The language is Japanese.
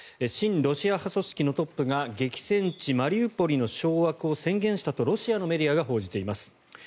親ロシア派組織のトップが激戦地マリウポリの掌握を宣言したと、ロシアのメディアが報じています。